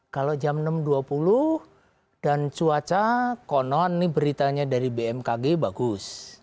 kalau jam enam dua puluh dan cuaca konon ini beritanya dari bmkg bagus